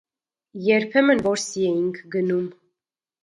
Երբեմն որսի էինք գնում: